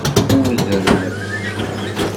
Udem.